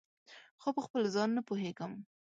خو پخپل ځان نه پوهیږم